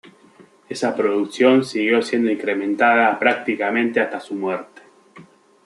Esa producción siguió siendo incrementada prácticamente hasta su muerte.